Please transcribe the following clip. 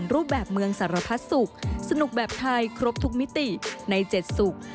รูปแบบเมืองสารพัดสุขสนุกแบบไทยครบทุกมิติใน๗ศุกร์